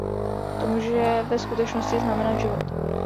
To může ve skutečnosti znamenat „život“.